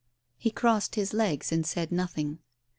He crossed his legs and said nothing.